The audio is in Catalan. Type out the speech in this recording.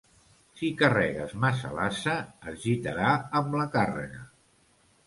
Si carregues massa l'ase, es gitarà amb la càrrega.